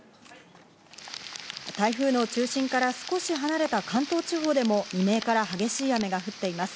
台風の中心から少し離れた関東地方でも未明から激しい雨が降っています。